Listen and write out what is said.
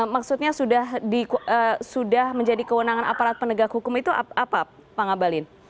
maksudnya sudah menjadi kewenangan aparat penegak hukum itu apa pak ngabalin